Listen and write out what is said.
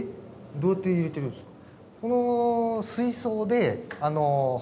どうやって入れてるんですか？